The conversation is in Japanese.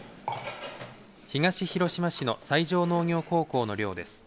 東広島市の西条農業高校の寮です。